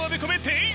店員